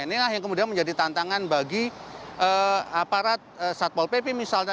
inilah yang kemudian menjadi tantangan bagi aparat satpol pp misalnya